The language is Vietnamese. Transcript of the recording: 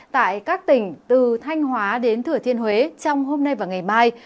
tại các tỉnh từ thanh hóa đến thừa thiên huế trong hôm nay và ngày mai